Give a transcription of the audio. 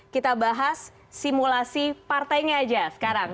kita bahas simulasi partainya aja sekarang